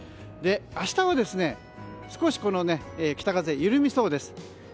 明日は少しこの北風緩みそうです。